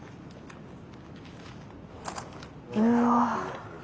うわ。